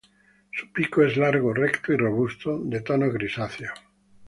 Su pico es largo, recto y robusto, de tonos grisáceos.